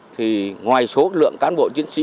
thì ngoài số lượng cán bộ chiến sĩ